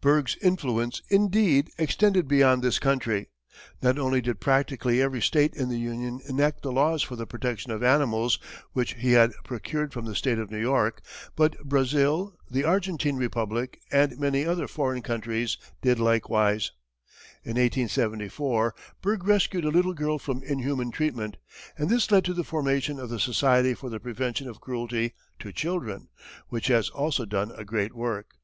Bergh's influence, indeed, extended beyond this country. Not only did practically every state in the Union enact the laws for the protection of animals which he had procured from the state of New York, but Brazil, the Argentine Republic, and many other foreign countries did likewise. In 1874, Bergh rescued a little girl from inhuman treatment, and this led to the formation of the Society for the Prevention of Cruelty to Children, which has also done a great work.